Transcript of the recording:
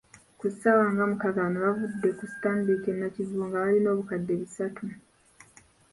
Ku ssaawa nga mukaaga bano baavudde ku Stanbic e Nakivubo nga balina obukadde bisatu.